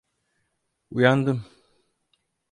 Uyandım.